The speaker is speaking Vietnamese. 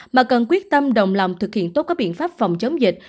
mà cần quyết tâm đồng lòng thực hiện tốt các biện pháp phòng chống dịch